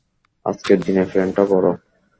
আজকের দিনের প্লানটা বড়।